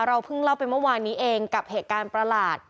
เราเพิ่งเล่าไปเมื่อวานนี้เองกับเหตุการณ์ประหลาด